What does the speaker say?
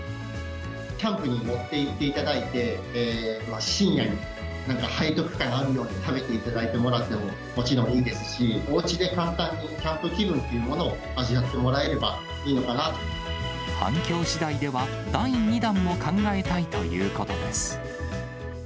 キャンプに持っていっていただいて、深夜になんか背徳感あるように食べていただいてもらってももちろんいいですし、おうちで簡単にキャンプ気分というものを味わってもらえればいい反響しだいでは第２弾も考えたいということです。